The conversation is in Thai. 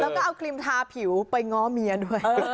แล้วก็เอาครีมทาผิวไปง้อเมียด้วย